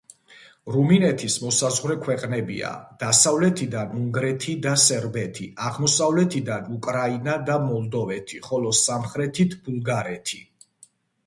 რუმინეთის მოსაზღვრე ქვეყნებია: დასავლეთიდან უნგრეთი და სერბეთი, აღმოსავლეთიდან უკრაინა და მოლდოვეთი, ხოლო სამხრეთით ბულგარეთი.